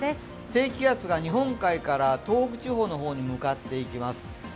低気圧が日本海から東北地方に向かっていきます。